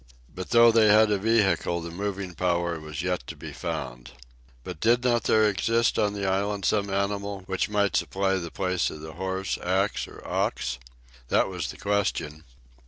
But though they had a vehicle, the moving power was yet to be found. But did there not exist in the island some animal which might supply the place of the horse, ass, or ox? That was the question.